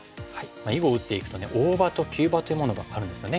囲碁を打っていくと大場と急場というものがあるんですよね。